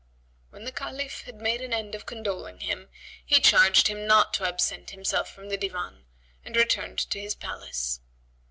'" When the Caliph had made an end of condoling with him, he charged him not to absent himself from the Divan and returned to his palace.